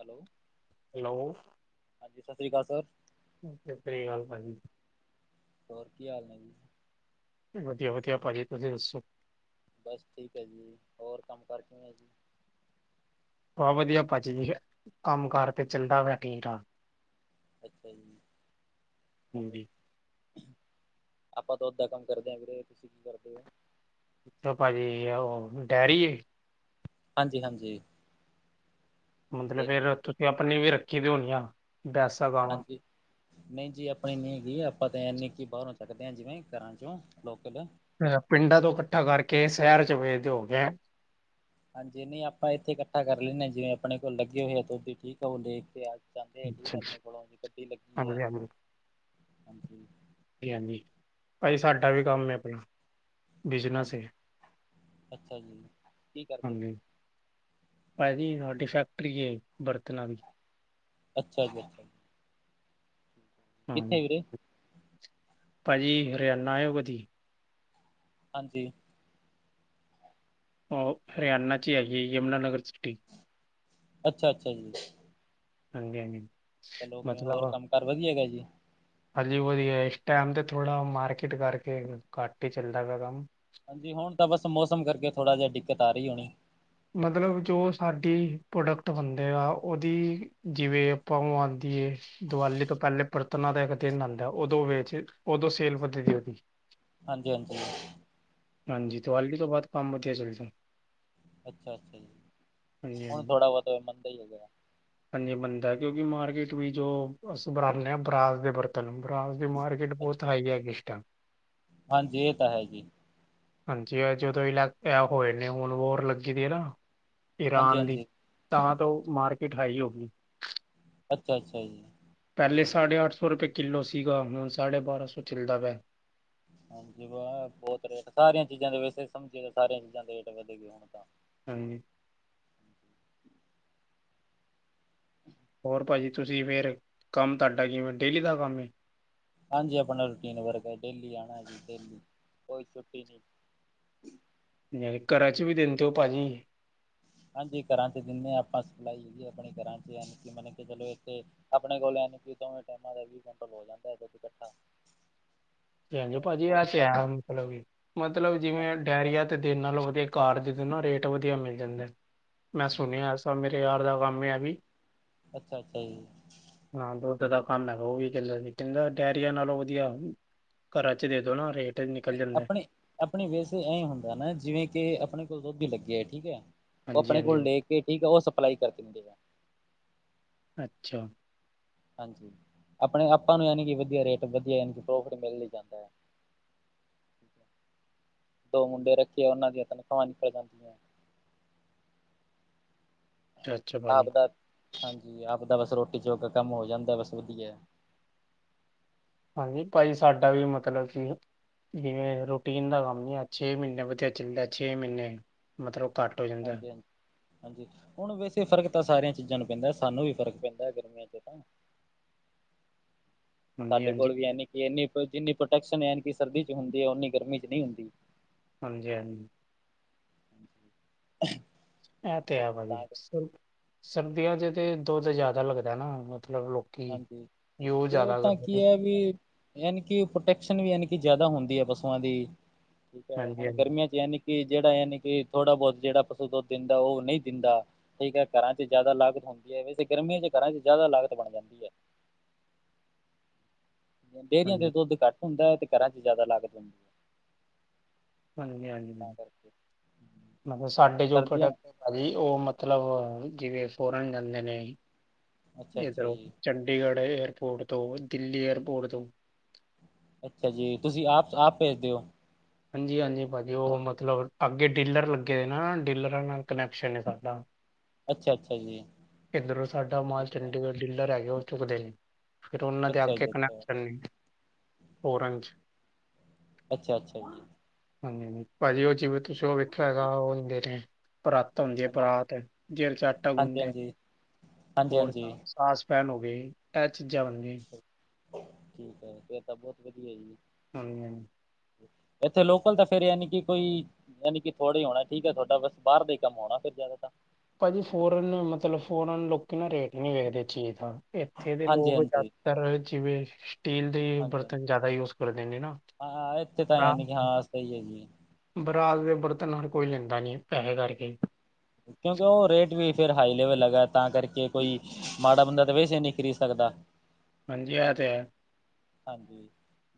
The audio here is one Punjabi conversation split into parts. ਹੈਲੋ ਹੈਲੋ ਹਾਂਜੀ ਸਤਿ ਸ਼੍ਰੀ ਅਕਾਲ ਸਰ। ਸਤਿ ਸ਼੍ਰੀ ਅਕਾਲ ਭਾਜੀ। ਹੋਰ ਕੀ ਹਾਲ ਨੇ ਜੀ। ਵਧੀਆ-ਵਧੀਆ, ਭਾਜੀ ਤੁਸੀ ਦੱਸੋ। ਬੱਸ ਠੀਕ ਐ ਜੀ, ਹੋਰ ਕੰਮ ਕਾਰ ਕਿਵੇਂ ਐ ਜੀ। ਬਹੁਤ ਵਧੀਆ ਪਾਜੀ ਜੀ, ਕੰਮ ਕਾਰ ਤੇ ਚੱਲਦਾ ਪਿਆ ਠੀਕ-ਠਾਕ। ਅੱਛਾ ਜੀ। ਹੋਰ ਹਾਂਜੀ। ਆਪਾਂ ਤਾਂ ਓਦਾਂ ਕੰਮ ਕਰਦੇ ਨੀ ਵੀਰੇ, ਤੁਸੀਂ ਕੀ ਕਰਦੇ ਹੋ? ਪਾਜੀ, ਉਹ ਡੈਅਰੀ ਹਾਂਜੀ-ਹਾਂਜੀ। ਮਤਲਬ ਫੇਰ ਬਿਲਕੁਲ। ਤੁਸੀਂ ਆਪਣੀ ਵੀ ਰੱਖੀ ਦੀ ਹੋਣੀ ਆ ਬੈਸਾ-ਗਾਣਾ। ਹਾਂਜੀ ਨਹੀਂ ਜੀ, ਆਪਣੀ ਨੀ ਹੈਗੀ ਆਪਾਂ ਤਾਂ ਇਨੀ ਕਿ ਬਾਹਰੋਂ ਚੱਕਦੇ ਹਾਂ। ਜਿਵੇਂ ਘਰਾਂ ਚੋਂ ਲੋਕਲ ਅ ਪਿੰਡਾਂ ਤੋਂ ਕੱਠਾ ਕਰਕੇ ਸ਼ਹਿਰ ਚ ਵੇਖਦੇ ਹੋਗੇ ਹਾਂਜੀ ਨੀ ਆਪਾਂ ਇੱਥੇ ਕੱਠਾ ਕਰ ਲੈਂਦੇ ਆ, ਜਿਵੇਂ ਆਪਣੇ ਕੋਲ ਲੱਗੇ ਹੋਏ ਆ, ਉਹਦੀ ਠੀਕ ਆ ਉਹ ਦੇਖਦੇ ਆ। ਚਾਹਦੇ ਆ ਠੀਕ ਹਾਂਜੀ-ਹਾਂਜੀ, ਆਪਣੇ ਕੋਲੋਂ ਗੱਡੀ ਲੱਗੀ ਆ, ਹਾਂਜੀ ਹਾਂਜੀ ਹਾਂਜੀ। ਹਾਂਜੀ-ਹਾਂਜੀ, ਪਾਜੀ ਸਾਡਾ ਵੀ ਕੰਮ ਐ ਆਪਣਾ ਬਿਜ਼ਨਸ ਹਾਂਜੀ ਏ। ਅੱਛਾ ਜੀ। ਕੀ ਕਰਦੇ ਹਾਂਜੀ, ਵੀਰੇ ਪਾਈ ਜੀ, ਸਾਡੀ ਫੈਕਟਰੀ ਏ, ਬਰਤਣਾ ਦੀ, ਅੱਛਾ ਜੀ। ਜੀ ਹਾਂ। ਕਿੱਥੇ ਰੇਗੀ ਐ, ਭਾਜੀ, ਹਰਿਆਣਾ ਆਏ ਓ ਕਦੀ। ਹਾਂਜੀ। ਉਹ ਹਰਿਆਣਾ ਚ ਏ, ਯਮੁਨਾ ਨਗਰ ਸਿਟੀ। ਅੱਛਾ-ਅੱਛਾ ਜੀ। ਹਾਂਜੀ-ਹਾਂਜੀ। ਚਲੋ ਹੋਰ ਕੰਮ ਕਾਰ ਵਧੀਆ ਹੈਗਾ ਜੀ। ਹਾਂਜੀ, ਵਧੀਆ ਏ ਇਸ ਟਾਈਮ ਤੇ ਥੋੜ੍ਹਾ ਮਾਰਕੀਟ ਕਰਕੇ ਘੱਟ ਹੀ, ਚੱਲਦਾ ਪਿਆ ਕੰਮ। ਹਾਂਜੀ, ਹੁਣ ਤਾਂ ਬਸ ਮੌਸਮ ਕਰਕੇ ਥੋੜ੍ਹਾ ਜਿਹਾ ਦਿੱਕਤ ਆ ਰਹੀ ਹੋਣੀ। ਮਤਲਬ ਜੋ ਸਾਡੀ ਪ੍ਰੋਡਕਟ ਹੁੰਦੇ ਆ। ਉਹਦੀ ਜਿਵੇਂ ਆਪਾਂ ਉਹ ਆਂਦੀ ਏ। ਦੀਵਾਲੀ ਤੋਂ, ਪਹਿਲੇ ਬਰਤਨਾ ਦਾ ਇੱਕ ਦਿਨ ਆਂਦਾ, ਉਦੋਂ ਵੇ ਉਦੋਂ ਸੇਲ ਵਧਦੀ ਉਹਦੀ। ਹਾਂਜੀ-ਹਾਂਜੀ। ਹਾਂਜੀ, ਦਿਵਾਲੀ ਤੋਂ ਬਾਅਦ ਕੰਮ ਵਧੀਆ ਚੱਲਦਾ। ਅੱਛਾ-ਅੱਛਾ ਜੀ, ਹਾਂਜੀ ਹੁਣ ਥੋੜ੍ਹਾ ਬੋਤ ਮੰਨਦਾ ਹੀ ਹੈਗਾ। ਹਜੇ ਮੰਨਦਾ ਕਿਉਂਕਿ ਮਾਰਕੀਟ ਵੀ ਜੋ ਅਸੀਂ ਬਣਾਣੇ, ਆ ਬਰਾਸ ਦੇ ਬਰਤਨ। ਤਨ ਬਰਾਸ ਦੀ ਮਾਰਕੀਟ ਬੋਤ ਅੱਛਾ ਜੀ ਹਾਈ ਐ ਇਸ ਟਾਈਮ ਹਾਂਜੀ, ਇਹ ਤਾਂ ਹੈ ਜੀ। ਹਾਂਜੀ, ਜਦੋਂ ਇਲੈਸ਼ ਹੋਏ ਨੇ ਹੁਣ ਵੋਰ ਲੱਗੀ ਦੀ ਨਾ, ਹਾਂਜੀ ਈਰਾਨ ਦੀ। ਹਾਂਜੀ ਤਾਂ ਤੋ ਉਹ ਮਾਰਕੀਟ ਹਾਈ ਹੋ ਗਈ। ਅੱਛਾ-ਅੱਛਾ ਜੀ। ਪੇਲੈ ਸਾਢੇ ਅੱਠ ਸੌ ਰੁਪਏ ਕਿੱਲੋ ਸੀਗਾ। ਹੁਣ ਸਾਢੇ ਬਾਰਾਂ ਸੌ ਚੱਲਦਾ ਪਿਆ। ਹਾਂਜੀ, ਵਾਹ ਬਹੁਤ ਰੇਟ ਸਾਰੀਆਂ ਚੀਜ਼ਾਂ ਦੇ ਵੈਸੇ ਸਮਝੇਏ। ਸਾਰੀਆਂ ਚੀਜ਼ਾਂ ਦੇ ਰੇਟ ਵਧੇ ਗਏ ਹੁਣ, ਤਾਂ ਹਾਂਜੀ। ਔਰ ਪਾਜੀ, ਤੁਸੀਂ ਫਿਰ ਕੰਮ ਤੁਹਾਡਾ ਜਿਵੇ ਡੇਲੀ ਦਾ ਕੰਮ ਐ। ਹਾਂਜੀ, ਆਪਣਾ ਰੂਟੀਨ ਵਰਗਾ ਡੇਲੀ ਜਾਣਾ ਜੀ ਡਲੀ, ਕੋਈ ਛੁੱਟੀ ਨੀ। ਘਰਾਂ ਚ ਵੀ ਦਿੰਦੇ ਉਹ ਪਾਣੀ। ਹਾਂਜੀ। ਘਰਾਂ ਚ ਦਿੰਦੇ ਹਾਂ ਆਪਾਂ ਸਪਲਾਈ ਆਪਣੇ ਘਰਾਂ ਚ ਮਨ ਕਿ ਚਲੋ ਇੱਥੇ ਆਪਣੇ ਕੋਲ ਐਵੇ ਟਮਾਂ ਦਾ ਵੀਹ ਕੁੰਟਲ ਹੋ ਜਾਂਦਾ ਇਹਦ ਚ ਕੱਠਾ [inaudible] ਹਾਂਜੀ ਭਾਜੀ ਆ ਤੇ ਹੈ। ਚਲ ਜ ਮਤਲਬ ਜਿਵੇਂ ਡਾਇਅਰੀਆਂ ਤੇ ਦੇਨ ਨਾਲੋਂ ਵਧੀਆ ਘਾਰ ਦੇਦੋ ਨਾ ਰੇਟ ਵਧੀਆ ਮਿਲ ਜਾਂਦਾ ਏ। ਮੈਂ ਸੁਣਿਆ ਐਸਾ ਮੇਰੇ ਯਾਰ ਦਾ ਕੰਮ ਏ ਵੀ ਅੱਛਾ-ਅੱਛਾ ਜੀ। ਹਾਂ, ਦੁੱਧ ਦਾ ਕੰਮ ਹੈਗਾ, ਉਹ ਵੀ ਚ [inaudible] ਕਹਿੰਦਾ, ਡੈਰੀਆਂ ਨਾਲੋਂ ਵਧੀਆ ਘਰਾ'ਚ ਦੇਦੋ ਨਾ, ਰੇ ਆਪਣੇ, ਆਪਣੇ ਵੇਸੇ ਏ ਹੁੰਦਾ ਨਾ, ਜਿਵੇਂ ਕਿ ਆਪਣੇ ਕੋਲ ਦੋਧੀ ਲੱਗੇ ਹੈ, ਠੀਕ ਐ। ਉਹ, ਹਾਂਜੀ ਆਪਣੇ ਹਾਂਜੀ ਕੋਲ ਲੇਕੇ ਠੀਕ ਆ, ਉਹ ਸਪਲਾਈ ਕਰਤੀ ਦਿੰਦੇ ਆ। ਅੱਛਾ। ਹਾਂਜੀ, ਆਪਣੇ, ਆਪਾਂ ਨੂੰ ਯਾਨੀ‌ ਕਿ ਵਧੀਆ ਰੇਟ, ਵਧੀਆ ਯਾਨੀ, ਕਿ ਪ੍ਰੋਫਿਟ ਮਿਲ ਹੀ ਜਾਂਦਾ ਹੈ। ਦੋ ਮੁੰਡੇ ਰੱਖੇ, ਉਹਨਾਂ ਦੀਆਂ ਤਨਖਾਵਾਂ ਨਿਕਲ ਜਾਂਦੀਆਂ। ਅੱਛਾ ਅੱਛਾ ਭਾਜੀ ਆਪਦਾ, ਹਾਂਜੀ, ਆਪਦਾ ਬਸ ਰੋਟੀ ਜੋਗਾ ਕੰਮ ਹੋ ਜਾਂਦਾ, ਬਸ ਵਧੀਆ। ਹਾਂਜੀ, ਭਾਜੀ ਸਾਡਾ ਵੀ ਮਤਲਬ ਸੀ। ਜਿਵੇਂ, ਰੂਟੀਨ ਦਾ ਕੰਮ ਨੀ ਹੈ, ਛੇ-ਮਹੀਨੇ ਵਧੀਆ ਚੱਲਦਾ, ਛੇ ਮਹੀਨੇ। ਮਤਲਬ, ਘੱਟ ਹੋ ਜਾਂਦਾ। ਹਾਂਜੀ ਹਾਂਜੀ ਹਾਂਜੀ, ਹੁਣ ਵੇਸੇ ਫ਼ਰਕ ਤਾਂ ਸਾਰੀਆਂ ਚੀਜ਼ਾਂ ਨੂੰ ਪੈਂਦਾ, ਸਾਨੂੰ ਵੀ ਫ਼ਰਕ ਪੈਂਦਾ ਗਰਮੀਆਂ'ਚ ਤਾਂ। ਹਾਂਜੀ ਸਾਡੇ ਹਾਂਜੀ ਕੋਲ ਵੀ ਯਾਨੀ ਕਿ ਇੰਨੀ, ਜਿੰਨੀ ਪ੍ਰੋਟੈਕਸ਼ਨ ਯਾਨੀ ਕਿ ਸਰਦੀ'ਚ ਹੁੰਦੀ ਹੈ, ਉਹਨੀ ਗਰਮੀ'ਚ ਨਹੀਂ ਹੁੰਦੀ। ਹਾਂਜੀ- ਹਾਂਜੀ। ਐਤੇ ਹੈ ਤਾਂ ਬਾਈ, ਕਰਕੇ ਸਰ, ਸਰਦੀਆਂ'ਚ ਤਾਂ ਦੁੱਧ ਜ਼ਿਆਦਾ ਲੱਗਦਾ ਨਾ, ਮਤਲਬ ਲੋਕ ਹਾਂਜੀ, ਤੇ ਓ ਤਾਂ ਕੀ ਐ, ਵੀ ਯਾਨੀ ਕਿ, ਪ੍ਰੋਟੈਕਸ਼ਨ ਵੀ ਯਾਨੀ ਕਿ ਜ਼ਿਆਦਾ ਹੁੰਦੀ ਹੈ ਪਸੂਆਂ ਦੀ, ਹਾਂਜੀ ਹੁਣ ਹਾਂਜੀ ਗਰਮੀਆਂ'ਚ ਯਾਨੀ ਕਿ ਜਿਹੜਾ, ਯਾਨੀ ਕਿ ਥੋੜਾ-ਬਹੁਤ ਜਿਹੜਾ ਪਸੂ ਦੁੱਧ ਦਿੰਦਾ, ਉਹ ਨਹੀਂ ਦਿੰਦਾ ਠੀਕ ਹੈ, ਘਰਾਂ'ਚ ਜ਼ਿਆਦਾ ਲਾਗਤ ਹੁੰਦੀ ਹੈ, ਵੈਸੇ ਗਰਮੀਆਂ'ਚ ਘਰਾਂ'ਚ ਜ਼ਿਆਦਾ ਲਾਗਤ ਬਣ ਜਾਂਦੀ ਹੈ। ਡੇਅਰੀਆਂ ਤੇ ਹਾਂਜੀ ਦੁੱਧ ਘੱਟ ਹੁੰਦਾ, ਤੇ ਘਰਾਂ'ਚ ਜ਼ਿਆਦਾ ਲਾਗਤ ਹੁੰਦੀ ਹੈ। ਹਾਂਜੀ-ਹਾਂਜੀ, ਤਾਂ ਕਰਕੇ। ਮਤਲਬ ਸਾਡੇ ਜੋ ਸਰਦੀਆਂ ਪ੍ਰੋਡਕਟ ਭਾਜੀ, ਉਹ ਮਤਲਬ ਜਿਵੇਂ ਫੋਰਨ ਜਾਂਦੇ ਨੇ ਅੱਛਾ-ਅੱਛਾ ਇਧਰੋ ਜੀ ਚੰਡੀਗੜ੍ਹ ਏਅਰਪੋਰਟ ਤੋਂ, ਦਿੱਲੀ ਏਅਰਪੋਰਟ ਤੋਂ। ਅੱਛਾ ਜੀ, ਤੁਸੀਂ ਆਪ, ਆਪ ਭੇਜਦੇ ਓ? ਹਾਂਜੀ-ਹਾਂਜੀ ਭਾਜੀ, ਉਹ ਮਤਲਬ ਅੱਗੇ ਡੀਲਰ ਲੱਗੇ ਹੋਏ ਨਾ, ਡੀਲਰਾਂ ਨਾਲ ਕਨੈਕਸ਼ਨ ਏ ਸਾਡਾ। ਅੱਛਾ-ਅੱਛਾ ਜੀ। ਇੱਧਰੋਂ ਸਾਡਾ ਮਾਲ ਠੀਕ ਹੈ, ਚੰਡੀਗੜ੍ਹ ਡੀਲਰ ਹੈਗੇ, ਉਹ ਚੁੱਕਦੇ ਨੇ। ਫਿਰ ਉਹਨਾਂ ਦੇ ਅੱਛਾ ਅੱਗੇ ਜੀ ਅੱਛਾ, ਕਨੈਕਸ਼ਨ ਨੇ, ਫੋਰਨ'ਚ। ਅੱਛਾ-ਅੱਛਾ ਜੀ। ਹਾਂਜੀ-ਹਾਂਜੀ, ਭਾਜੀ ਉਹ ਜੀਵੇ ਤੁਸੀਂ ਉਹ ਵੇਖਿਆ ਹੋਇਗਾ, ਉਹ ਹੁੰਦੇ ਨੇ। ਪਰਾਤ ਹੁੰਦੀ ਹੈ, ਹਾਂਜੀ ਪਰਾਤ। ਜਸਦੇ'ਚ ਆਟਾ ਗੁੰਨਦੇ ਆ। ਹਾਂਜੀ। ਹਾਂਜੀ ਹੋਰ ਹਾਂਜੀ, ਸਾਸ ਪੈਨ ਹੋ ਗਈ, ਐ ਚੀਜ਼ਾਂ ਬਣਨੀਆ। ਠੀਕ ਹੈ, ਫੇਰ ਤਾਂ ਬਹੁਤ ਵਧੀਆ ਜੀ। ਹਾਂਜੀ-ਹਾਂਜੀ। ਇੱਥੇ ਲੋਕਲ ਤਾ ਫਿਰ ਯਾਨੀ ਕਿ, ਕੋਈ ਯਾਨੀ ਕੀ ਥੋੜ੍ਹੇ ਹੋਣਾ ਠੀਕ ਹੈ, ਤੁਹਾਡਾ ਬਸ ਬਾਹਰ ਦਾ ਹੀ ਕੰਮ ਹੋਣਾ ਫਿਰ ਜ਼ਿਆਦਾ ਤਾਂ। ਭਾਜੀ ਫੋਰਨ, ਮਤਲਬ ਫੋਰਨ ਲੋਕੀ ਨਾ ਰੇਟ ਨੀ ਵੇਖਦੇ ਚੀਜ਼ ਦਾ, ਇੱਥੇ ਦੇ ਹਾਂਜੀ ਲੋਕ ਹਾਂਜੀ, ਜਿਆਦਾਤਰ ਜਿਵੇਂ, ਸਟੀਲ ਦੇ ਹਾਂਜੀ। ਬਰਤਨ ਜ਼ਿਆਦਾ ਯੂਜ ਕਰਦੇ ਨੇ ਨਾ, ਹਾਂ ਇੱਥੇ ਤਾਂ ਯਾਨੀ ਕਿ ਹਾਂ ਸਹੀ ਹੈ ਜੀ। ਬਰਾਤ ਦੇ ਬਰਤਨ ਹਰ ਕੋਈ ਲੈਂਦਾ ਨੀ, ਪੈਹੇ ਕਰਕੇ। ਕਿਉਂਕਿ ਉਹ ਰੇਟ ਵੀ ਫਿਰ ਹਾਈ ਲੈਵਲ ਲਗਾ ਏ, ਤਾਂ ਕਰਕੇ, ਕੋਈ ਮਾੜਾ ਬੰਦਾ ਤੇ ਵੈਸੇ ਨੀ ਖਰੀਦ ਸਕਦਾ ਹਾਂਜੀ ਇਹ ਤੇ ਹੈ। ਹਾਂਜੀ।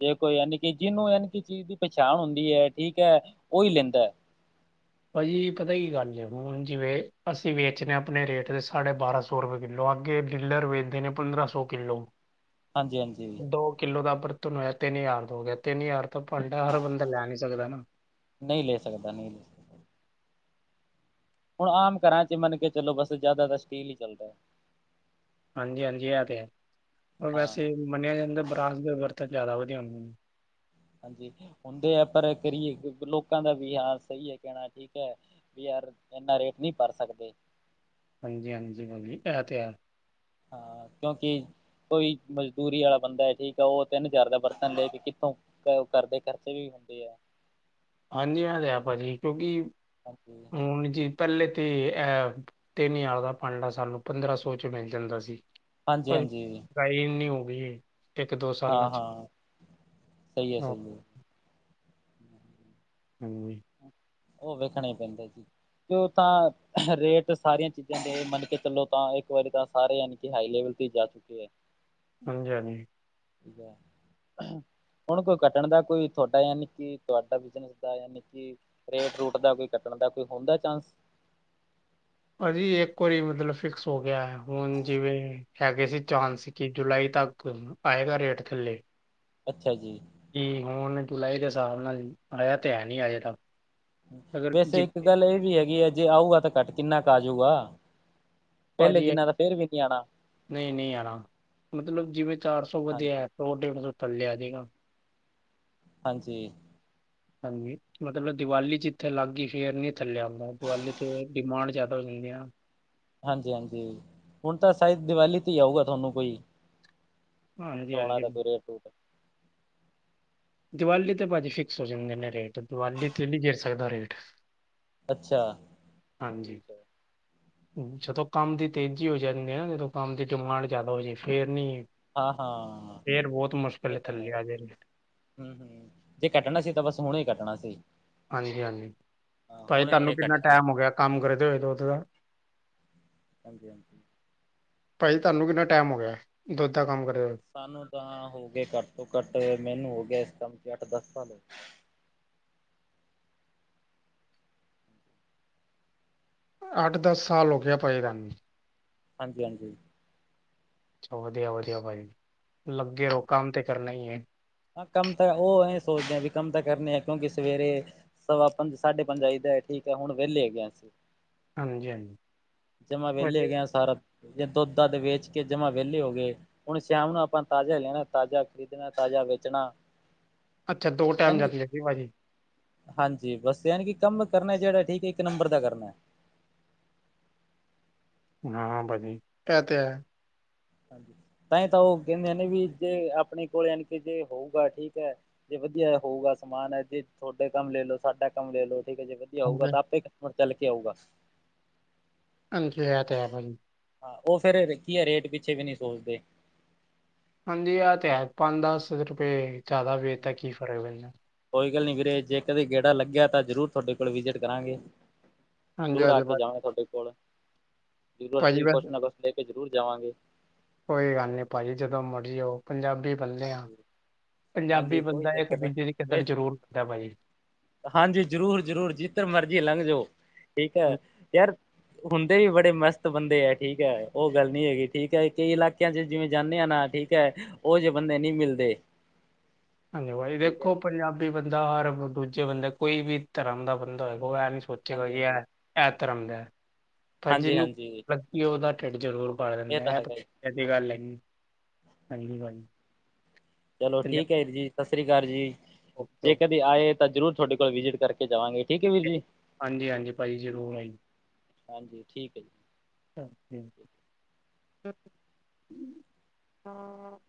ਜੇ ਕੋਈ ਯਾਨੀ ਕਿ ਜਿਹਨੂੰ ਯਾਨੀ ਕਿ ਚੀਜ਼ ਦੀ ਪਛਾਨ ਹੁੰਦੀ ਹੈ ਠੀਕ ਹੈ ਉਹੀ ਲੈਂਦਾ। ਭਾਜੀ ਪਤਾ ਕੀ ਗੱਲ ਜੇ ਹੁਨ ਜਿਵੇਂ ਅਸੀਂ ਵੇਚਨੇ ਆ ਅਪਨੇ ਰੇਟ ਦੇ ਸਾਢੇ ਬਾਰਾਂ ਸੌ ਸੌ ਰੁਪਏ ਕਿੱਲੋ ਅੱਗੇ ਡਿਲਰ ਵੇਚਦੇ ਨੇ ਪੰਦਰਾਂ ਸੌ ਕਿੱਲੋ ਹਾਂਜੀ ਹਾਂਜੀ, ਦੋ ਕਿੱਲੋ ਦਾ ਪ੍ਰ ਤੋਨਯਾ ਤਿੰਨ ਯਾਰ ਤੋਂ ਹੋ ਗਿਆ ਤਿੰਨ ਯਾਰ ਤਾਂ ਭਾਂਡਾ ਹਰ ਬੰਦਾ ਲੈ ਨੀ ਸਕਦਾ ਨਾ। ਨਹੀਂ ਲੈ ਸਕਦਾ ਨਹੀਂ ਲੈ ਹੁਣ ਆਮ ਘਰਾਂ ਚ ਮੰਨ ਕੇ ਚਲੋ ਬਸ ਜ਼ਿਆਦਾ ਤਾਂ ਸਟੀਲ ਈ ਚੱਲਦਾ। ਹਾਂਜੀ-ਹਾਂਜੀ, ਐ, ਤੇ ਹੈ, ਪਰ ਹਾਂ ਵੈਸੇ ਮੰਨਿਆ ਜਾਂਦਾ ਬਰਾਸ ਦਾ ਬਰਤਨ ਜ਼ਿਆਦਾ ਵਧੀਆ ਹੁੰਦੇ ਨੇ। ਹਾਂਜੀ। ਹੁੰਦੇ ਯਾ, ਪਰ ਕਰੀਏ ਕੀ ਲੋਕਾਂ ਦਾ ਵੀਹਾਰ ਸਹੀ ਏ, ਕਹਣਾ ਠੀਕ ਐ। ਵੀ ਯਾਰ, ਇੰਨਾ ਰੇਟ ਨਹੀਂ ਭਰ ਸਕਦੇ। ਹਾਂਜੀ-ਹਾਂਜੀ, ਬੌਬੀ ਐਤੇ ਹੈ। ਹਾਂ, ਕਿਉਂਕਿ ਕੋਈ ਮਜ਼ਦੂਰੀ ਵਾਲਾ ਬੰਦਾ ਠੀਕ ਆ, ਉਹ ਤਿੰਨ ਹਜਾਰ ਦਾ ਬਰਤਨ ਲੇਕੇ ਕਿੱਥੋਂ ਉਹ ਕਰਦੇ ਖਰਚੇ ਵੀ ਹੁੰਦੇ ਆ। ਹਾਂਜੀ, ਮੈਂ ਦਿਆ ਭਾਜੀ, ਕਿਉਂਕਿ ਹਾਂਜੀ ਹੁਣ ਜੀ ਪਹਿਲੇ ਤੇ ਐ, ਤਿੰਨ-ਹਜਾਰ ਦਾ ਭਾਂਡਾ ਸਾਨੂੰ ਪੰਦਰਾਂ-ਸੋ'ਚ ਮਿਲ ਜਾਂਦਾ ਸੀ। ਹਾਂਜੀ, ਹਾਂਜੀ। ਾਈ [unintelligible] ਨੀ ਹੋ ਗਈ ਇੱਕ ਦੋ ਸਾਲ ਹਾਂ ਨਚ ਹਾਂ ਸਹੀ ਹੈ ਸਹੀ ਹੈ [unintelligible] [unintelligible] ਉਹ ਵੇਖਣਾ ਹੀ ਪੈਂਦਾ ਜੀ। ਤੇ ਉਹ ਤਾਂ ਰੇਟ ਸਾਰੀਆਂ ਚੀਜ਼ਾਂ ਦੇ ਮੰਨ ਕੇ ਚਲੋ ਤਾਂ ਇੱਕ ਵਾਰੀ ਤਾਂ ਸਾਰੇ ਅਨ ਤੇ ਹਾਈ ਲੈਵਲ ਤੇ ਹੀ ਜਾ ਚੁੱਕੇ ਹੈ। ਹਾਂਜੀ-ਹਾਂਜੀ। [inaudible] ਹੁਣ ਕੋਈ ਕੱਟਣ ਦਾ ਕੋਈ ਤੁਹਾਡਾ ਯਾ ਨਿੱਕੀ ਤੁਹਾਡਾ ਬਿਜਨਸ ਦਾ ਜਾਂ ਨਿੱਕੀ ਰੇਟ ਰੂਟ ਦਾ ਕੋਈ ਕੱਟਣ ਦਾ ਕੋਈ ਹੁੰਦਾ ਚਾਂਸ ਅਜੀ ਇੱਕ ਵਰੀ ਮਤਲਬ ਫਿਕਸ ਹੋ ਗਿਆ ਹੈ। ਹੁਣ ਜਿਵੇਂ ਹੈਗੇ ਸੀ ਚਾਂਸ ਕਿ ਜੁਲਾਈ ਤੱਕ ਆਏਗਾ ਰੇਟ ਥੱਲੇ ਅੱਛਾ ਜੀ। ਕੀ ਹੁਨ ਜੁਲਾਈ ਦੇ ਹਸਾਬ ਨਾਲ ਆਏਆ ਤੇ ਹੈ ਨੀ ਅਜੇ ਤੱਕ। ਅਗਰ ਵੈਸੇ ਜਿ ਇੱਕ ਗੱਲ ਏਹ ਵੀ ਹੈਗੀ ਏ ਜੇ ਆਊਗਾ ਤਾਂ ਘੱਟ ਕਿੰਨਾ ਕ ਆਜੂਗਾ। ਪਹਿਲੇ ਪਾਜੀ, ਜਿੰਨਾ ਤਾਂ ਫੇਰ ਵੀ ਨਹੀਂ ਆਉਣਾ ਨਈ-ਨਈ ਆਣਾ, ਮਤਲਬ ਜਿਵੇਂ ਚਾਰ ਸੌ ਹਾਂਜੀ ਵਧੇਆ ਓ ਟੇਬਲ ਤੋਂ ਥੱਲੇ ਆ ਜੇਗਾ। ਹਾਂਜੀ ਹਾਂਜੀ, ਮਤਲਬ ਦਿਵਾਲੀ ਜਿੱਥੇ ਲਾਗਈ ਫੇਰ ਨਈ ਥੱਲੇ ਆਂਦਾ, ਦਿਵਾਲੀ ਤੇ ਡਿਮਾਂਡ ਜ਼ਾਦਾ ਹੋ ਜਾਂਦੀ ਆ ਨਾ। ਹਾਂਜੀ- ਹਾਂਜੀ, ਹੁਣ ਤਾਂ ਸ਼ਾਇਦ ਦੀਵਾਲੀ ਤੇ ਹੀ ਆਊਗਾ, ਤੁਹਾਨੂੰ ਕੋਈ [unintelligible] ਹਾਂਜੀ ਹਾਂਜੀ ਦਾ ਕੀ ਰੇਟ ਦੀਵਾਲੀ ਤੇ ਭਾਜੀ ਫਿਕਸ ਹੋ ਜਾਂਦੇ ਨੇ ਰੇਟ, ਦੀਵਾਲੀ ਤੇ ਨਈ ਜਿੱਤ ਸਕਦਾ ਰੇਟ ਅੱਛਾ, ਹਾਂਜੀ ਠੀਕ ਹੈ ਜਦੋਂ ਕੰਮ ਦੀ ਤੇਜ਼ੀ ਹੋ ਜਾਂਦੀ ਆ ਨਾ, ਜਦੋਂ ਕੰਮ ਦੀ ਡਿਮਾਂਡ ਜਿਆਦਾ ਹੋ ਜਾਏ, ਫਿਰ ਨੀ ਹਾਂ ਹਾਂ ਫਿਰ ਬੋਤ ਮੁਸ਼ਕਿਲ ਥੱਲੇ ਆਜਨ ਗੇ ਹਮ- ਹਮ ਜੇ ਕੱਟਣਾ ਸੀ, ਤਾਂ ਬਸ ਹੁਨੇ ਹੀ ਕੱਟਣਾ ਸੀ ਹਾਂਜੀ- ਹਾਂਜੀ, ਹਾਂ ਪਾਜੀ ਹੁਣੇ ਤੁਹਾਨੂੰ ਇਹ ਕਿੰਨਾ ਕੱਟਿਆ ਨਹੀਂ ਟਾਈਮ ਹੋ ਗਿਆ, ਕੰਮ ਕਰੇ ਦੇ ਦੁੱਧ ਦਾ ਹਾਂਜੀ- ਹਾਂਜੀ ਭਾਜੀ ਤੁਹਾਨੂੰ ਕਿੰਨਾ ਟਾਈਮ ਹੋ ਗਿਆ, ਦੁੱਧ ਦਾ ਕੰਮ ਕਰੇ ਹੋਏ। ਸਾਨੂੰ ਤਾਂ ਹੋ ਗਏ, ਘੱਟ ਤੋਂ ਘੱਟ, ਮੈਨੂੰ ਹੋ ਗਏ, ਇਸ ਕੰਮ 'ਚ ਅੱਠ, ਦਸ ਸਾਲ ਹੋ ਗਏ ਅੱਠ, ਦਸ ਸਾਲ ਹੋ ਗਏ, ਪਏ ਰਨ ਹਾਂਜੀ- ਹਾਂਜੀ ਅਾ [unintelligible] ਵਧੀਆ ਵਧੀਆ ਭਾਈ, ਲੱਗੇ ਓ ਕੰਮ ਤੇ ਕਰਨਾ ਹੀ ਹੈ। ਹਾਂ, ਕੰਮ ਤਾਂ ਉਹ ਇਹ ਸੋਚਦੇ ਹ ਵੀ ਕੰਮ ਤਾਂ ਕਰਨੇ ਆ ਕਿਉਂਕਿ ਸਵੇਰੇ ਸਵਾ ਪੰਜ, ਸਾਢੇ ਪੰਜ ਆਈ ਦਾ ਠੀਕ ਹੈ ਹੁਣ ਵਿਹਲੇ ਹੈਗੇ ਆ। ਹਾਂਜੀ ਹਾਂਜੀ ਜਮਾ, ਵਿਹਲੇ ਵਧੀਆ ਹੈਗੇ ਆ ਸਾਰਾ ਜੇ, ਦੁੱਧ ਦਦ ਵੇਚ ਕੇ ਜਮਾ ਵਿਹਲੇ ਹੋ ਗਏ। ਹੁਣ ਸ਼ਾਮ ਨੂੰ ਆਪਾਂ ਤਾਜ਼ਾ ਲਿਆਣਾ, ਤਾਜ਼ਾ ਖ਼ਰੀਦਣਾ, ਤਾਜ਼ਾ ਵੇਚਣਾ। ਅੱਛਾ, ਦੋ ਟਾਈਮ [unintelligible] ਯਾਨੀ ਕਿ ਜਾਂਦੀਆਂ ਸੀ। ਭਾਜੀ। ਹਾਂਜੀ! ਬੱਸ ਯਾਨੀ ਕਿ ਕੰਮ ਕਰਨਾ, ਜਿਹੜਾ ਠੀਕ ਹੈ ਇੱਕ ਨੰਬਰ ਦਾ ਕਰਨਾ। ਹਾਂ, ਹਾਂ ਭਾਜੀ ਐ ਤੇ ਹੈ। ਹਾਂਜੀ ਤਾਂਹੀ ਓ ਕੈਂਦੇ ਨੇ ਵੀ ਜੇ ਆਪਣੇ ਕੋਲ ਯਾਂਣੀ ਕਿ ਜੇ ਹੋਊਗਾ ਠੀਕ ਐ। ਜੇ ਵਧੀਆ ਹੋਊਗਾ ਸਮਾਨ ਹੈ ਜੇ ਤੁਹਾਡੇ ਕੰਮ ਲੈ ਲੋ ਸਾਡਾ ਕੰਮ ਲੈ ਲਓ ਠੀਕ ਏ ਜੇ ਜੇ ਆਊਗਾ ਹਾਂਜੀ ਤਾਂ, ਆਪੇ ਕਿਸਮਤ ਚ ਚੱਲ ਕੇ ਆਊਗਾ ਹਾਂਜੀ ਇਹ ਤੇ ਹੈ ਪਾਜੀ ਹਾਂ, ਉਹ ਫਿਰ ਕੀ ਹੈ, ਰੇਟ ਪਿੱਛੇ ਵੀ ਨਈ ਸੋਚਦੇ ਹਾਂਜੀ ਆਹ ਤੇ ਹੈ ਪੰਜ ਦਸ ਰੁਪਏ ਜਾਦਾ ਵੇਤਾ ਕੀ ਫਰਕ ਪੈਂਦਾ। ਕੋਈ ਗੱਲ ਨਈ ਵੀਰੇ, ਜੇ ਇਕ ਗੇੜਾ ਲੱਗਿਆ ਤਾਂ, ਜ਼ਰੂਰ ਤੁਹਾਡੇ ਕੋਲ ਵਿਜਿਟ ਕਰਾਂਗੇ ਹਾਂਜੀ ਜ਼ਰੂਰ ਆ ਹਾਂਜੀ ਕੇ ਭਾਜੀ ਜਾਵਾਂਗੇ ਤੁਹਾਡੇ ਕੋਲ ਜ਼ਰੂਰ ਭਾਜੀ ਅਸੀਂ ਵੈਸੇ ਕੁਛ ਨਾ ਕੁਛ ਲੈ ਕੇ ਜ਼ਰੂਰ ਜਾਵਾਂਗੇ। ਕੋਈ ਗੱਲ ਨਈ ਪਾਜੀ ਜਦੋਂ ਮਰਜੀ ਆਓ ਪੰਜਾਬੀ ਕਲੇ ਹਾਂ, ਹਾਂਜੀ ਪੰਜਾਬੀ ਹਾਂਜੀ ਕੋਈ ਬੰਦਾ ਇੱਕ ਚੱਕਰ ਨਹੀਂ ਦੂਜੇ ਦੀ ਕਦਰ ਜ਼ਰੂਰ ਕਰਦਾ, ਬਾਈ ਹਾਂਜੀ, ਜ਼ਰੂਰ- ਜ਼ਰੂਰ ਜਿੱਧਰ ਮਰਜ਼ੀ ਲੰਘ ਜਓ ਠੀਕ ਹੈ, ਯਾਰ ਹੁੰਦੇ ਵੀ ਬੜੇ ਮਸਤ ਬੰਦੇ ਹੈ ਠੀਕ ਹੈ, ਉਹ ਗੱਲ ਨੀ ਹੈਗੀ। ਠੀਕ ਹੈ, ਕਈ ਇਲਾਕੇ ਜੇ ਜਿਵੇਂ ਜਾਂਦੇ ਹ ਨਾ ਠੀਕ ਹੈ ਉਹ ਜਿਹੇ ਬੰਦੇ ਨਹੀਂ ਮਿਲਦੇ। ਹਾਂਜੀ, ਭਾਈ ਠੀਕ ਹੈ ਦੇਖੋ ਪੰਜਾਬੀ ਬੰਦਾ ਹਰ ਦੂਜੇ ਬੰਦੇ ਕੋਈ ਵੀ ਧਰਮ ਦਾ ਬੰਦਾ ਹੋਏਗਾ ਐ ਨੀ ਸੋਚ ਗਾ ਹਾਂਜੀ ਹਾਂਜੀ ਇਹ ਧਰਮ ਦਾ ਹਾਂਜੀ ਭਾਜੀਿਨੂੰ ਹਾਂਜੀ [unintelligible] ਕਿ ਉਹਦਾ ਢਿੱਡ ਜ਼ਰੂਰ ਭਰ ਇਹ ਦਿੰਦਾ ਤਾਂ ਐ। ਹੈਗਾ ਹੀ। ਐਸੀ ਗੱਲ ਹੈ, ਹਾਂਜੀ ਭ ਚਲੋ ਠੀਕ ਹੈ ਜੀ। ਸਤਿ ਸ੍ਰੀ ਅਕਾਲ ਜੀ, ਓਕੇ ਜੇ ਓਕੇ ਕਦੇ ਆਏ ਤਾਂ ਜ਼ਰੂਰ ਤੁਹਾਡੇ ਕੋਲ ਵਿਜਿਟ ਕਰਕੇ ਜਾਵਾਂਗੇ ਠੀਕ ਵੀ। ਹਾਂਜੀ, ਹਾਂਜੀ ਭਾਈ ਜ਼ਰੂਰ ਆਈ। ਹਾਂਜੀ, ਠੀਕ ਹੈ ਜੀ। ਹ ਹਾਂ [unintelligible]